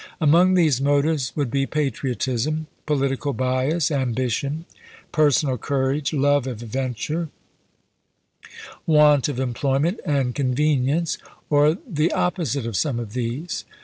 Among these motives would be patriotism, political bias, ambition, personal courage, love of adven ture, want of employment, and convenience, or the opposite of some of these.